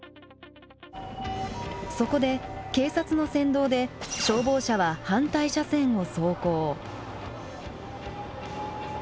そこで警察の先導で消防車は反対車線を走行。